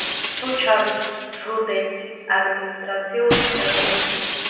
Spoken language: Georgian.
სუჩავის ჟუდეცის ადმინისტრაციული ცენტრი.